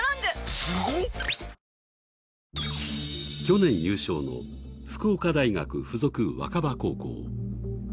去年優勝の福岡大学附属若葉高校。